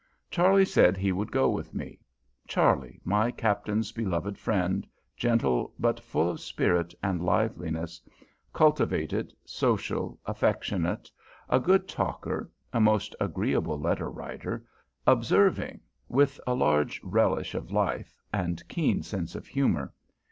Charley said he would go with me, Charley, my Captain's beloved friend, gentle, but full of spirit and liveliness, cultivated, social, affectionate, a good talker, a most agreeable letter writer, observing, with large relish of life, and keen sense of humor.